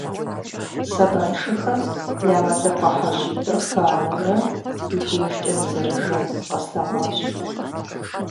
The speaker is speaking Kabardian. Сэбаншыхэ я мэлыхъуэ хьэжьитӀыр банэурэ уи дежкӀэ нызэрыжэр къэслъэгъуащ.